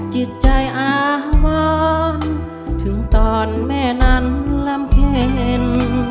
จิตใจอาหารถึงตอนแม่นั้นลำเข็น